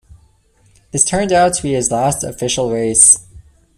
This turned out to be his last official race.